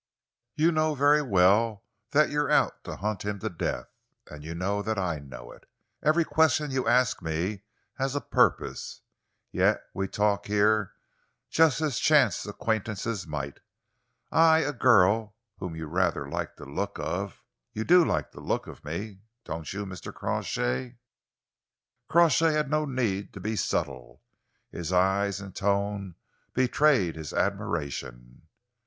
You know very well that you're out to hunt him to the death, and you know that I know it. Every question you ask me has a purpose, yet we talk here just as chance acquaintances might I, a girl whom you rather like the look of you do like the look of me, don't you, Mr. Crawshay?" Crawshay had no need to be subtle. His eyes and tone betrayed his admiration.